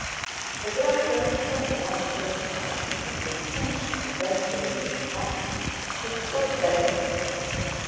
The driver turned once or twice, with the intention of venturing a remark, but thought better of it.